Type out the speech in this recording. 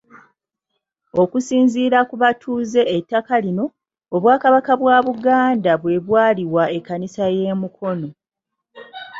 Okusinziira ku batuuze ettaka lino, Obwakabaka bwa Buganda bwe bwaliwa Ekkanisa y'e Mukono.